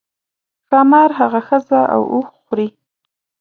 ښامار هغه ښځه او اوښ خوري.